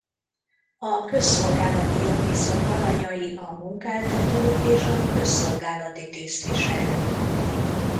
A közszolgálati jogviszony alanyai a munkáltató és a közszolgálati tisztviselő.